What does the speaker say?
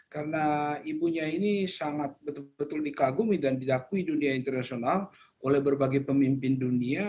karena ibunya ini sangat betul betul dikagumi dan didakui di dunia internasional oleh berbagai pemimpin dunia